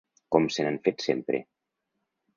Com se n’han fet sempre.